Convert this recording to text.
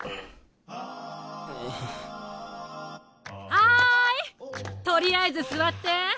はいとりあえず座って。